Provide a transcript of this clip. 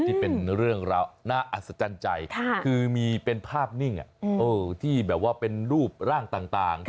ที่เป็นเรื่องราวน่าอัศจรรย์ใจคือมีเป็นภาพนิ่งที่แบบว่าเป็นรูปร่างต่าง